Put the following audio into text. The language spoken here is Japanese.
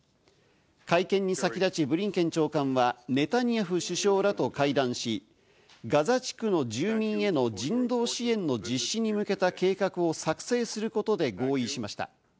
会見に先立ちブリンケン長官は、ネタニヤフ首相らと会談し、ガザ地区の住民への人道支援の実施に向けた計画を作成することで合意しました。